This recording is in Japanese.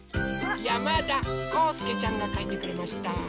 やまだこうすけちゃんがかいてくれました。